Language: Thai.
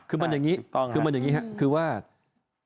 คือมันอย่างงี้ครับ